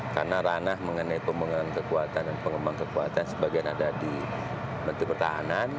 karena ranah mengenai pengembangan kekuatan dan pengembangan kekuatan sebagian ada di menteri pertahanan